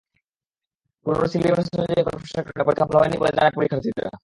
পুরোনো সিলেবাস অনুযায়ী করা প্রশ্নের কারণে পরীক্ষা ভালো হয়নি বলে জানায় পরীক্ষার্থীরা।